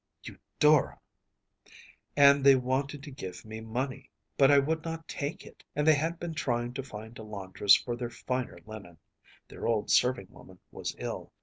‚ÄĚ ‚ÄúEudora!‚ÄĚ “And they wanted to give me money, but I would not take it, and they had been trying to find a laundress for their finer linen their old serving woman was ill.